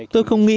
tôi không nghĩ